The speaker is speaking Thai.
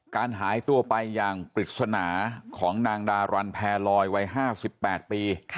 การหายตัวไปอย่างปริศนาของนางดารันแพรลอยวัย๕๘ปี